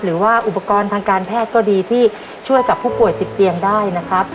หรือว่าอุปกรณ์ทางการแพทย์ก็ดีที่ช่วยกับผู้ป่วยติดเตียงได้นะครับ